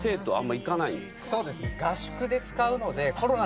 そうですね。